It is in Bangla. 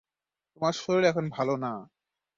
তোমার শরীর এখন ভালো না।